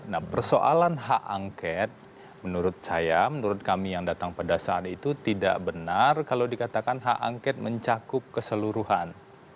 nah persoalan hak angket menurut saya menurut kami yang datang pada saat itu tidak benar kalau dikatakan hak angket mencakup keseluruhan